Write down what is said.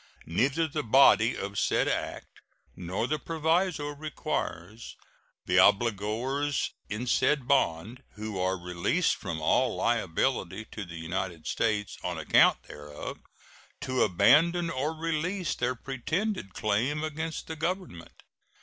Neither the body of said act nor the proviso requires the obligors in said bond, who are released from all liability to the United States on account thereof, to abandon or release their pretended claim against the Government.